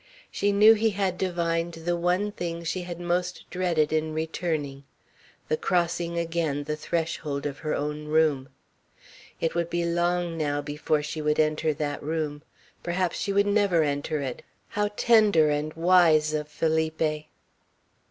She knew he had divined the one thing she had most dreaded in returning, the crossing again the threshold of her own room. It would be long now before she would enter that room. Perhaps she would never enter it. How tender and wise of Felipe!